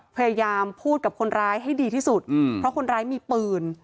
พยายามพูดกับคนร้ายให้ดีที่สุดเพราะคนร้ายมีปืน